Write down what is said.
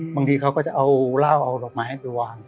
บางทีคนจะเอาร่าวบางทีได้ได้นะ